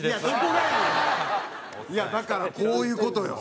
いやだからこういう事よ。